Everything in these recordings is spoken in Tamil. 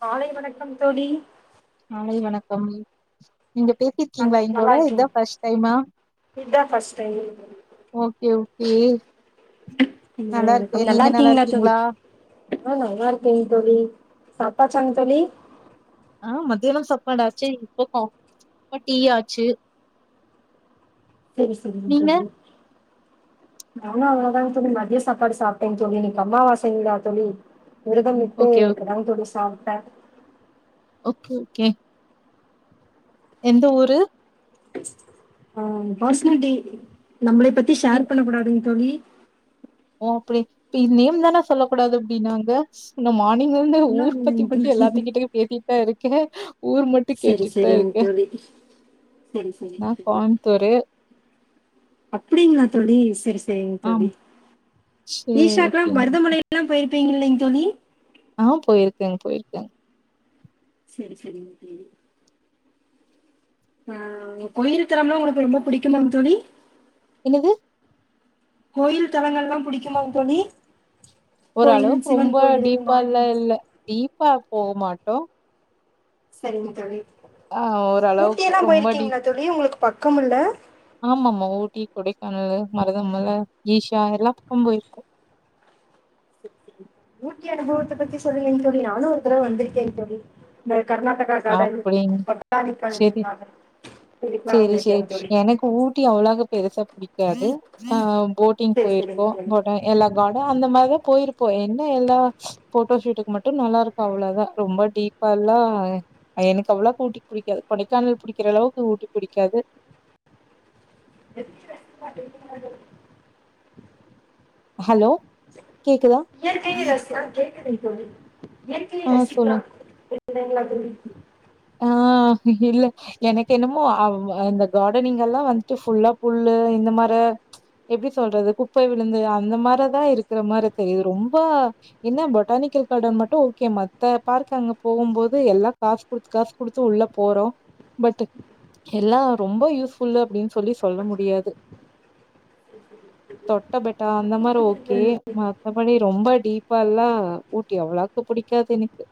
காலை வணக்கம் தோழி நாளை வணக்கம் நீங்க பேசிருக்கீங்களா நல்லா எங்களோட இருக்கே இதான் ஃபர்ஸ்ட் டைமா இதா பஸ்ட் டைம் ஓகே ஓகே நல்லா இருக்கேன் நல்லா நீங்க இருக்கீங்களா ஆஹ் நல்லா இருக்கீங்க தோழி சாப்டாச்சாங்க தோழி ஆஹ் மத்தியானம் சாப்பாடு ஆச்சு இப்ப டீ ஆச்சு சேரி சேரிங்க நீங்க தோழி நானும் அவளதானங்க தோழி மதிய சாப்பாடு சாப்பிட்டே தோழி இன்னக்கு அம்மாவாசைங்களா தோழி விருதம் விட்டு ஓகே இப்பதான் தோழி சாப் த ஓகே ஓகே எந்த ஊரு ஆஹ் பர்சனாலிட்டி நம்மளை பத்தி ஷேர் பண்ணக் கூடாதுங்க தோழி அப்டி நேம் தானே சொல்லக்கூடாது அப்படின்னாங்க நம் மார்னிங்கிருந்து அப்படிலா ஊர் பத்தி இல்லைங்க பற்றி தோழி. எல்லாத்த கிட்ட பேசிட்டா இருக்கு கே ஊர் மட்டும் சரி கேட்டுட்டு தான் சரிங்க இருக்கேன் தோழி சரி சரி நான் தோழி. கோயமுத்தூரு அப்படிங்களா தோழி சேரி சே சேரிங்க ஆமா தோழி சரி ஈஷாக்கல்லாம் ஓகேங்க பரதமலையல்லாம் போயி இல்லங்க தோழி ஆஹ் போயிருக்கேங் போயிருக்கேங் சேரி சேரிங்க தோழி ஆஹ் கொயிருக்கிறம்னா உனக்கு ரொம்ப பிடிக்குமா தோழி என்னது கோயில் தளங்கள்லா புடிக்குமா தோழி கோயில் ஓரளவுக்கு சிவன் ரொம்ப கோயில் டீப்பால்ல மாரியம்மன் கோயில். இல்ல டீப்பா போக மாட்டோ சேரிங்க தோழி ஆஹ் ஊட்டி ஒரளவுக்கு எல்லா ரொம்ப டீப் போயிருக்கீங்களா தோழி உங்களுக்கு பக்கம் இல்ல ஆமா ஆமா ஊட்டி கொடைக்கானல் மருதமல ஈஷா எல்லாம் பக்கம் போயிருக்க ஊட்டி அனுபவத்த பத்தி சொல்றீன்னு தோழி நானும் ஒரு தடவ வந்திருக்கேன் தோழி பட் அப்படி சேரி கார்டன் இதுக்கெல்லா சேரி சேரி வந்திருக்கேன் தோழி எனக்கு ஊட்டி அவ்ளவு பெருசா புடிக்காது ஆஹ் போட்டிங் சரி சரிங்க போயிருக்க தோழி போட்ட எல்லா கார்ட அந்த மாதிரிதான் போயிரு இப்ப என்ன எல்லா போட்டோ ஷூட்டுக்கு மட்டும் நல்லா இருக்கும் அவ்வளோதா ரொம்ப டீப்பா எல்லா எனக்கு அவ்வளவு உட்டி பிடிக்காது கொடைக்கானல் பிடிக்கிற அளவுக்கு ஊட்டி பிடிக்காது [unintelligible] ஹலோ கேக்குதா எ க அஸ் கேக்குங்க [unintelligible] இயற்கைய ஆ சொல்லுங் ரசிக்கலா கேக்குதுங்களா தோழி ஆஹ் இல்ல எனக்கு என்னமோ ஆவு அந்த கார்டனிங் எல்லாம் வந்துட்டு ஃபுல்லா புல்லு இந்த மாரி எப்டி சொல்றது குப்பை விழுந்து அந்த மாரிதா இருக்கிற மாரி தெரியுது ரொம்ப என்ன பொட்டானிக்கல் கார்டன் மட்டும் ஓகே மத்த பார்க் அங்க போம்போது எல்லாம் காசு குடுத்து காசு குடுத்து உள்ள போறோம் பட் எல்லா ரொம்ப யூஸ்புல்ல அப்டின்னு சொல்லி சொல்ல முடியாது தொட்ட பெட்டா அந்த மாரி ஓகே மதபடி ரொம்ப டீப்பா எல்லா ஊட்டி அவ்ளவு இப்ப பிடிக்காது எனக்கு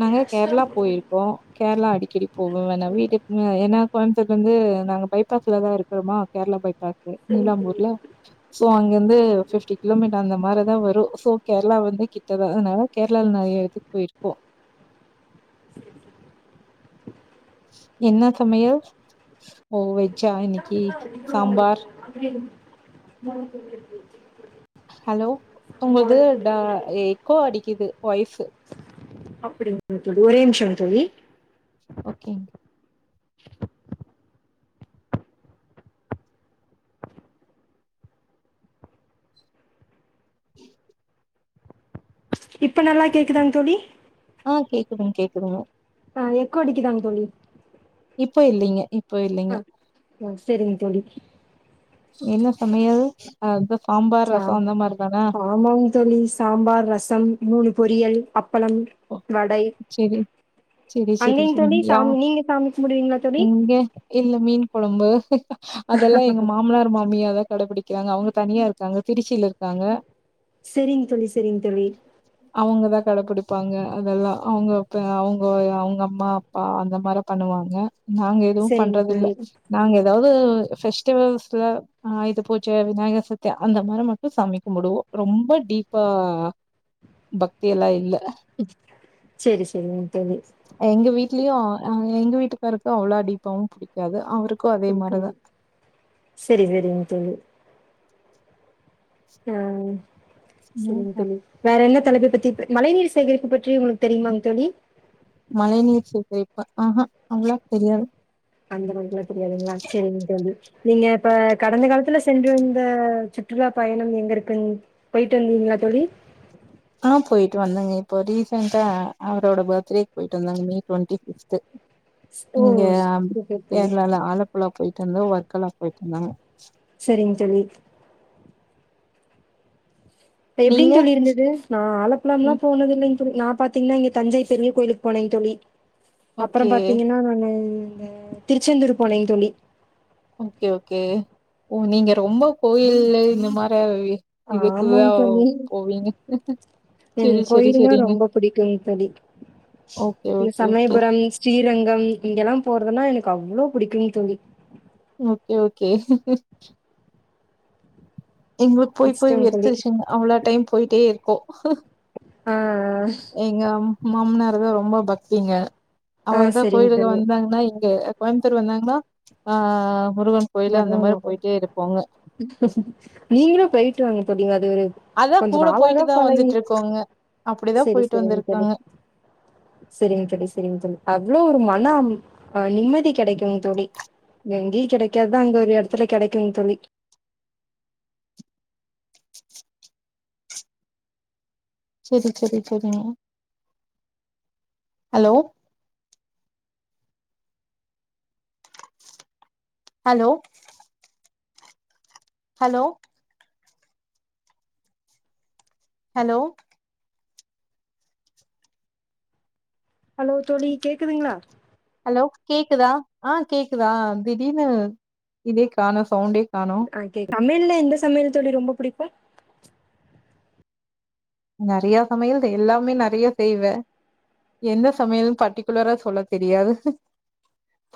நாங்க கேரளா போயிருக்கோம் கேரள அடிக்கடி போ வேணா வீட்டுக்கு ஏன்னா கோயம்பத்தூர்லருந்து அத நாங்க பைபாஸல தான் இருக்கிறோமா கேரளா பைபாஸ் தெ நீலாம்பூர்ல சோ அங்கிருந்து பிப்டி கிலோமீட்டர் அந்த மாரிதான் வரும் சோ கேரளா வந்து கிட்டதா அதனால கேரளால நிறைய இதுக்கு போயிருக்கக்கும் என்ன சமையல் ஓ வெஜ்ஜா இனிக் [unintelligible] [unintelligible] ஹலோ உங்களது டா து எக்கோ அடிக்குது வாய்சு அப்டிங்க தோலி ஒரே நிமிஷம் தோலி ஓகேங்க இப்ப நல்லா கேக்குதாங்க தோலி ம் கேக்குதுங்க ஆஹ் எக்கோ அடிக்குதாங்க தோலி இப்ப இல்லைங்க இல்லைங்க. ஆஹ் ஆஹ் சரிங்க தோலி என்ன சமையல் ஹான் தோ சா ஆமாம் தோலி சாம்பார் ரசம் மூணு பொரியல் அப்பளம் வடை செரி செரி செரி அங்கேங்க செரி தோழி யா சாமி நீங்க சாமி கும்பிடுவீங்களா தோழி இங்க இல்ல மீன் குலம்பு ச அதெல்லாம் எங்க மாமனார் மாமியாதான் கடைபிடிக் ருக்காங்க அவங்க தனியா இருக்காங்க திருச்சியில இருக்கங்க சரிங்க தோழி சரிங்க தோழி அவங்கதான் கடபிடிப் பாங் வப்பாங்க அதெல்லா அவங்க ப்ப அவங்க அம்மா அப்பா அந்த மார பண்ணுவாங்க நாங்க எதுவு சரிங்க தோழி ‌பண்றதில்ல நாங்க எதாவ் வு ஃபெஸ்டிவல்ஸ்ல ஆ இது போச்ச விநாயக சுத்தி அந்த மாரி மட்டு சமைக்கமடுவோ ரொம்ப டீப்பா பக்தி எல்லா இல்ல [unintelligible] செரி செரிங்க தோழி ட்லயு‌ எங்க வீட்டுக்காருக்கு அவ்ளோ டீப்பாவு புடிக்காது அவருக் புடிக்காது செரி செரிங்க தோழி ம் ம். செரிங்க தோழி வேற என்னத் தலைப்ப பத்தி ப மழை நீீர் சேகரிப்பு பற்றி உங்களுக்கு தெரியுமாங் தோழி மழை நீர் சேகரிப்பு ஆஹா அவ்ளா தெரியாது அந்த அளவுக்குலா தெரியாதுங்களா? சரிங்க தோழி. நீங்க இப்ப கடந்த காலத்துல சென்றிருந்த சுற்றுலா பயணம் எங்கருக்குன் போயிட்டு வந்திங்ளா தோழி ஆ போயிட்டு வந்தேங்க இப்போ ரீசென்டா அவரோட பர்த்டேக்கு போயிட்டு வந்தேங்க மே ட்வெண்ட்டி ஃபிஃப்த்து ஓ! இங்க சூப்பர் தோழி. கேரளால ஆலப்புழா போயி டந்து‌ ஒர்க்கலா போய்ட்ருந்தாங்க செரிங்க தோழி எப்டிங் நீங்க தோழி‌ இருந்தது நா ஆலப்புலால நீ போனதில்லைங் நா‌ பாத்தீங்கனா இங்க தஞ்சை பெரிய கோயிலுக் போனே தோழி ஓகே அப்புறம் பாத்திங்கன்னா நானு இந்த திருச்செந்தூர் போனேங்க தோழி ஓகே ஓகே ஓ‌ நீங்க ரொம்ப கோயில்லு இந்த மாரி இதுக்குதா ஆமங் தோழி போவீங்க என் செரி செரி கோயில்னா செரிங்க ரொம்ப புடிக்குங் தோழி‌ ஓகே இந்த okay okay Samayapuram Srirangam இங்கெல்லா போறதுன்னா எனக்கு அவ்ளோ புடிக்குங்தோழி ஓகே ஓகே எங்களுக்கு போய் போய் இஷ்டங்க தோழி. வெறுத்துருச்சுங் அவ்ளோ டைம் போயிட்டே இருக்கோ ஆ எங்க அம் மாமனார்தா ரொம்ப பக் திங்க ஆ அவர்தா சரிங்க கோயிலுக்கு தோழி வந்தாங்கனா இங்க கோயம்புத்தூர் வந்தாங்னா ஆ முருகன் கோயிலு அந்த இவர்தா மாரி போயிட்டே இருப்போங்க [unintelligible] நீங்களு போயிட்டு வாங்க தோழி அது ஒரு அதா கொஞ்ச கூட நாளாக போயிட்டுதா பழகி வந்துட்ருக்கோங்க அப்டிதா செரி போயிட்டு செரிங் தோழி வந்திருக்காங்க செரிங்க தோழி செரிங்க தோழி அவ்ளோ ஒரு மன அம்‌ நிம்மதி கெடைக்கும் தோழி எங்யு கெடைக் க்காதா அங்க ஒரு எடத்துல கெடைக்குங் தோழி செரி செரி செரி hello hello hello hello hello தோழி கேக்குதுங்களா ஹலோ கேக்குதா ஆஹ் கேக்குதா திடீனு இதே கானோ சவுண்டே காணோ ஆஹ் கேக்குது சமையல்ல எந்த சமையல் தோழி ரொம்ப பிடிக்கும் நறைய சமையல் எல்லாமே நறைய செய்வே என்ன சமையலு பர்ட்டிகுலரா சொல்ல தெரியாது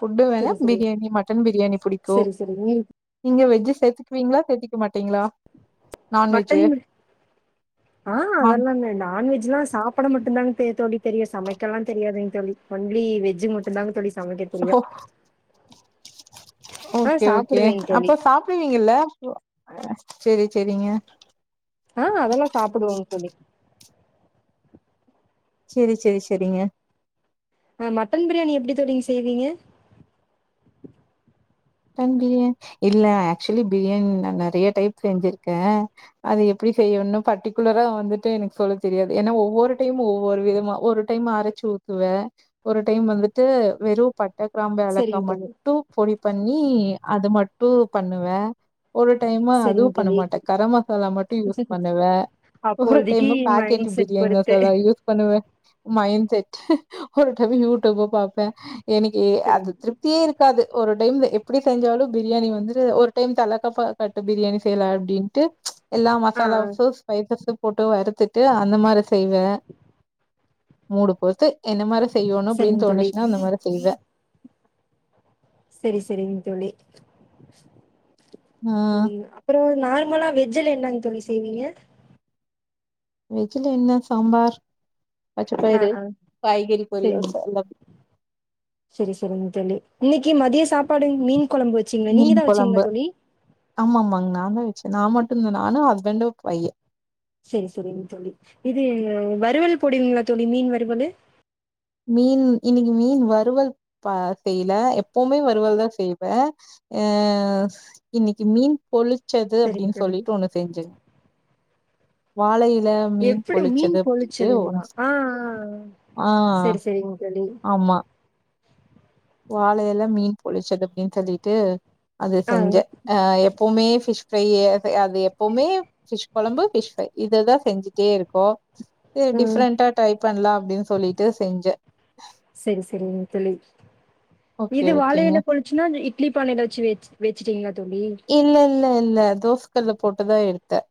புஃட்டு வேண சரி சரி பிரியாணி மட்டன் பிரியாணி பிடிக்கும் சரி சரி ம் நீங்க வெஜ் செத்துக்குவீங்களா செத்தக்க மாட்டீங்களா நான்வெஜ்ஜு மட்டன் ஆஹ் நான் அதெல்லாலே நான்வெஜ் ரிவ்ஸ் [unintelligible] சாப்பட மட்டுதாங் தோழி பெரிய சமைக்கல்லா தெரியாதுங்க தோழி ஒன்லி வெஜ் மட்டுந்தாங் தோழி சமைக்க தெரியு ஓஹ் ஆ ஓகே ஓகே சாப்புடுவேங் தோழி அப்ப சாப்பிடுவிங்கல்ல அ சேரி சேரிங்க ஆஹ் அதெல்லாம் சாப்பிடுவீங்க தோழி சேரி சேரி சேரிங்க ஆஹ் மட்டன் பிரியாணி எப்படி தோழி செய்வீங்க தம் பிரியா இல்ல ஆக்சுவலி பிரியாணி நான் நிறைய டைம் செஞ்சிருக்கேன் அது எப்படி செய்யணும்னு பர்டிகுலரா வந்துட்டு எனக்கு சொல்ல தெரியாது ஏன்னா ஒவ்வொரு டைம் ஒவ்வொரு விதமா ஒரு டைம் அரைச்சு ஊத்துவே ஒரு டைம் வந்துட்டு வெறும் பட் ட கிராம்பு ஏலக்கா சரிங்க தோழி மட்டும் பொடிப் பண்ணி அது மட்டும் பண்ணுவேன் ஒரு டைம் சரிங்க அதுவும் பண்ண தோழி மாட்டேன் கரம் மசாலா மட்டும் யூஸ் பண்ணுவேன் ஒரு அப்போதைக்கு time packet mind set biryani பொறுத்து மசாலா யூஸ் பண்ணுவேன் மைண்ட் செட் ஒரு டைம் யூ டுபே பார்ப்பேன் எனக்கு அது சரிங்க திருப்தியே இருக்காது ஒரு டைம் எப்படி செஞ்சாலும் பிரியாணி வந்து ஒரு டைம் தலைக்கப்பா கட்டு பிரியாணி செய்யலாம் அப்படின்ட்டு எல்லாம் ஆ ஆ மசாலாஸஸ் பைசஸ்ஸும் போட்டு வறுத்துட்டு அந்த மாரி செய்வேன் மூடு போத்து என்ன மாரி செய்யணும் அப்படின்னு சரிங்க தோழி தோணுச்சுன்னா அந்த மாரி செய்வேன் சேரி சேரி சேரிங்க தோழி ஆ உம் அப்பறம் நார்மலா வெஜ்ஜுல என்னங்க தோழி செய்வீங்க வெஜ்ல என்ன சாம்பார் ஆ பச்சப்பயிரு ஆ காய்கறி சரிங்க பொறியல் சரி சரிங்க தோழி இன்னைக்கு மதியம் சாப்பாடு மீன் கொலம்பு வெச்சீங்களா நீங்க தா வெச்சீங்களா தோலி ஆமா ஆமாங்க நான்தா வச்சே நா மட்டுந்தா நானு ஹஸ்பண்ட் பைய செரி செரிங்க தோலி இது வறுவல் போடுவீங்களா தோலி மீன் வருவலு மீன் இன்னிக்கு மீன் வறுவல் ப செய்யல எப்பவுமே வருவல் தா செய்வே ஆஹ இன்னிக்கு மீன் பொலி ச்சது சரிங்க அப்டின்னு தோழி சொல்லிட்டு ஒண்ணு செஞ்சே வாலை எப்டி மீன் பொளிச்சதுங்களா ஆஹ் ஆஹ் ஆ செரி செரிங்க தோலி வால எல மீன் பொழிச்சது அப்டின் சொல்லிட்டு அது ஆ செஞ்ச ஆஹ் எப்பவுமே ஃபிஷ் ஃப்ரையே அது எப்பவுமே ஃபிஷ் கொலம்பு ஃபிஷ் ஃப்ரை இததா செஞ்சிட்டே இருக்கோ இது ம் டிஃப்ரெண்டா ட்ரை பண்லாம் அப்டின்னு சொல்லிட்டு செஞ்ச செரி செரிங்க தோலி ஓகே, இது வாலை ஓகேங்க. எல பொழிச்சுன்னா இட்லி பானையில வெச் வெச் வெச்சிட்டீங்க இல்ல இல்ல இல்ல தோஸ்க்கல்ல போட்டுதா எடுத்த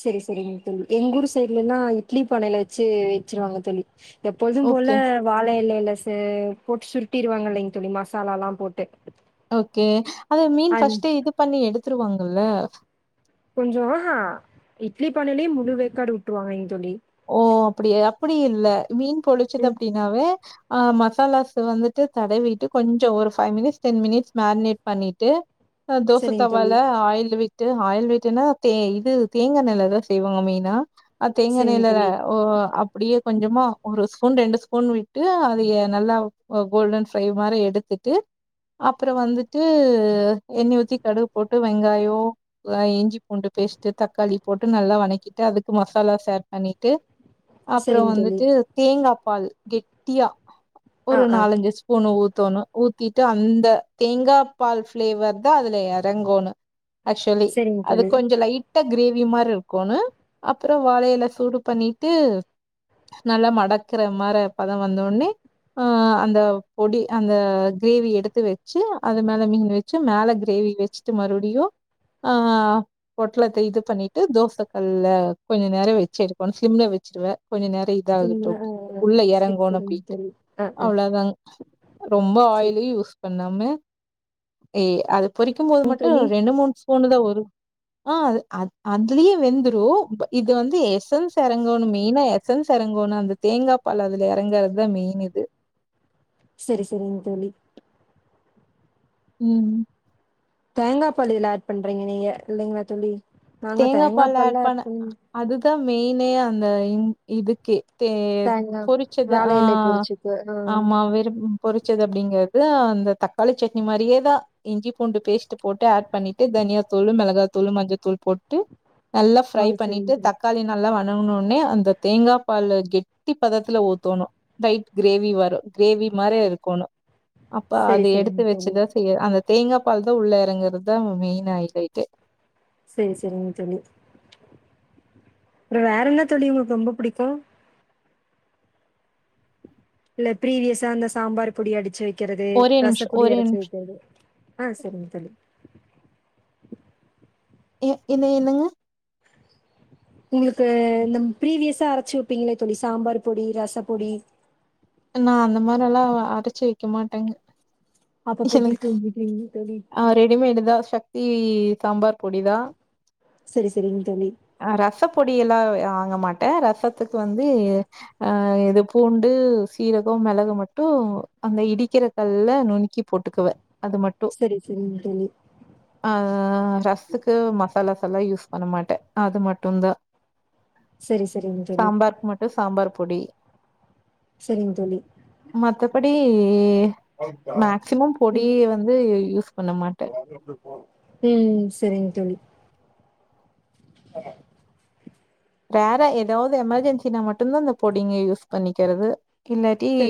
செரி செரிங்க தோலி எங் ஊர் சைட்லலா இட்லி பானையில வெச்சி வெச்சிருவாங்க தோலி எப்பொழுதும் போல ஓகே. வாலை எல இலசு கோட் சுருட்டிருவாங்க இல்லைங் தோலி மசாலால்லா போட்டு ஓகே அத மீன் அது ஃபர்ஸ்ட் இது பண்ணி எடுத் துருவாங்கல்ல கொஞ்சோ உ ஹா இட்லி பானைலயு முலு வேக்காடு விட்ருவாங்க தோலி ஓ அப்டியா அ ப்டி இல்ல மீன் பொளிச்சது ம் அப்டினாவே ஆஹ் மசாலாஸ் வந்துட்டு தடவிட்டு கொஞ்சோ ஒரு five minutes ten minutes marinate பண்ணிட்டு அ தோச சரிங்க தோழி தவால்ல ஆயில் வி ட்டு ஆயில் விட்ன்னா தே இது தேங்காய் மேல எதாது செய்வாங்க மெயினா நீ சரிங்க இல்லல தோழி ஓ அப்டியே கொஞ்சம்மா ஒரு ஸ் பூன் ரெண்டு ஸ்பூன் விட்டு அதைய நல்லா கோ கோல்டன் ஃப்ரை மாரி எடுத்துட்டு அப்புற வந்துட்டு எண்ணெய் ஊத்தி கடுகு போட்டு வெங்காயோ இஞ்சி பூண்டு பேஸ்ட்டு தக்காளி போட்டு நல்லா வனக்கிட்டு அதுக்கு மசாலா சேர் பண்ணிட்டு அப்புற சரிங்க தோழி வந்துட்டு தேங்காப் பால் கெட்டியா ஆ ஒரு ஆ நாலஞ்சு ஸ்பூன் ஊத் த்தணு ஊத்திட்டு அந்த தேங்கா பால் ஃப்ளேவர் தா அதுல எறங்கோணு ஆக்சுலி சரிங்க அது தோழி கொஞ்ச லைட்டா கிரேவி மாரிருக்கோனு அப்புற வாழையில சூடு பண்ணிட்டு நல்லா மடக்குற மார பதொ வந்தோன்னே ஆ அந்த பொடி அந்த கிரேவி எடுத்து வச்சு அது மேலே மீன் வச்சு மேல கிரேவி வச்சுட்டு மறுபடியு ஆ பொட்லத்த இது பண்ணிட்டு தோச கல்ல கொஞ்ச நேர வச் ச்சிருக்கனு ஸிம்ல வச்சுடுவ கொஞ்ச நேரம் இதாகட்டு சரிங்களா அப்டின்ட்டு ஆ உள்ள சரி எறங்கொனு சரிங்க அப்டின்ட்டு தோழி ஆ ஆ அவ்ளொதாங் ரொம்ப ஆயிலி பண்ணாம ஏ அது பொறிக்கும் போது சரிங்க மட்டு தோழி ரெண்டு மூணு ஸ்பூனுதா வரு அ அதுலெயே வெந்துரு இது வந்து எஸ் ஸன்ஸ் எறங்கனு மெய்னா எஸன்ஸ் எறங்கனு அந்த தேங்கா பால் அதுல எறங்குறதா மெய்ன் இது சரி சரிங் தோழி உம் தேங்கா பால் இதுல ஆட் பண்றீங்க நீங்க இல்லைங்களா தோழி நாங்க தேங்கா பால் ஆட் பால்ல பண்ண பண் அதுக் தா மெய்னே அந்த இ இதுக்கே தே தேங்கா பொரிச்சது வாழ ஆ இலை பொரிச்சுக்கு ஆ ஆமா வெறும் பொரிச்சது அப்டிங்குறது அந்த தக்காளி சட்னி மாரியேதா இஞ்சி பூண்டு பேஸ்ட்டு போட்டு ஆட் பண்ணிட்டு தனியா தூளு மெளகாதூளு மஞ்சத்தூள் போட் டு நல்லா ஃப்ரை ஆ பண்ணிட்டு சரிங்க தோழி தக்காளி நல்லா வன ங்குனோனெ அந்த தேங்கா பாலு கெட்டிப்பதத்துல ஊத்தணு லைட் கிரேவி வர கிரேவி மாரி இருக்கோணு அப்ப சரி அது சரிங்க எடுத்து தோழி வச்சுதா செய்ய அந்த தேங்காப் பால் தா உள்ள எறங்குறதுதா மெயின் ஹைலைட்டே செரி செரிங்க தோழி அப்றொ வேற என்ன தோழி உங்களுக்கு ரொம்ப புடிக்கு இல்ல ப்ரீவியஸா அந்த சாம்பார் பொடி அடுச்சு வ க்கிறது ஒரே நிமிஷம் ரசப்பொடி ஒரே நிமிஷம். அரச்சு வக்கிறது ஆ செரிங்க தோழி ஏ இத என்னங்க உங்களுக்கு இந்த ப்ரீவியசா அரச்சு வப்பீங்களே தோழி சாம்பார் பொடி ரசப்பொடி நா அந்த மாரில்லா அரச்சு வைக்க மாட்டெங்க அப்பப்பக்கி [unintelligible] தோழி ஆ ரெடிமேடு தா சக்தி சாம்பார் பொடி தா சரி சரிங்க தோழி ஆ ரசப்பொடியெல்லா வாங்க மாட்டே ரசத்துக்கு வந்து ஆ இது பூண்டு சீரகம் மிளகு மட்டு அந்த இடிக்கிற கல்ல நுனக்கி போட்டுக்குவ அது மட்டு சரி சரிங்க தோழி ஆ ரசுக்கு மசாலா சல்லா யூஸ் பண்ண மாட்டே அது மட்டுந்தா சரி சரிங்க தோழி சாம்பார்கு மட்டு சாம்பார் பொடி சரிங்க தோழி [unintelligible] [unintelligible] மேக்ஸிமம் ம் பொடிய வந்து யூஸ் பண்ண மாட்டேன் உம் சரிங்க தோழி [unintelligible] வேற ஏதாவது எமர்ஜென்சினா மட்டும் தான் இந்த பொடிங்க யூஸ் பண்ணிக்கிறது இல்லாட்டி சரி